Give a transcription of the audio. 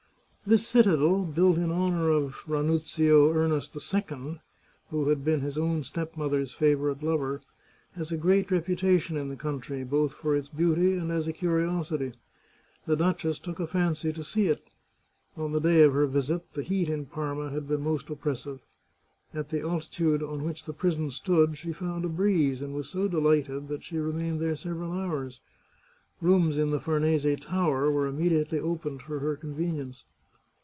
This citadel, built in honour of Ranuzio Ernest II, who had been his own stepmother's favourite lover, has a great reputation in the country, both for its beauty and as a curiosity. The duchess took a fancy to see it. On the day of her visit, the heat in Parma had been most oppressive. At the altitude on which the prison stood she found a breeze, and was so delighted that she remained there several hours. Rooms in the Farnese Tower were immediately opened for her convenience.